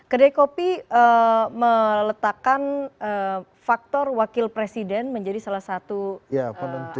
kedai kopi meletakkan faktor wakil presiden menjadi salah satu item survei begitu ya